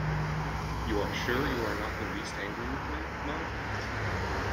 You are sure you are not the least angry with me, Ma?